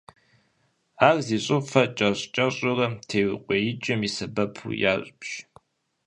Ар зи щӏыфэр кӏэщӏ-кӏэщӏурэ теукъуеикӏым и сэбэпу ябж.